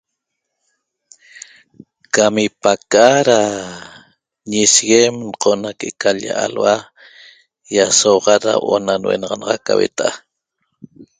Cam ipaqa'a da ñishiguem ncona que'eca lya alhua yasouaxat da huo'o na nhuenaxanaxac ca hueta'a